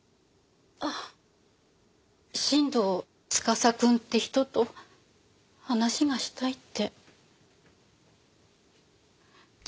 新堂司くんって人と話がしたいって。